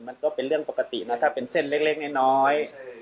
มันก็เป็นเรื่องปกตินะถ้าเป็นเส้นเล็กน้อย